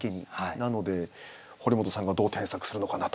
なので堀本さんがどう添削するのかなと。